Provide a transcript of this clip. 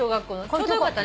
ちょうどよかった。